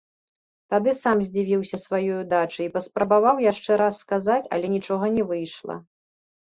Тады сам здзівіўся сваёй удачы і паспрабаваў яшчэ раз сказаць, але нічога не выйшла.